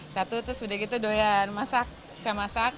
satu terus udah gitu doyan masak suka masak